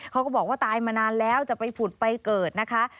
เขาก็บอกว่าตายมานานแล้วจะไปผุดไปเกิดนะคะ